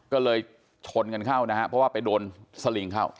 ก็เลยชนกันเข้านะฮะเพราะว่าไปโดนสลิงเข้า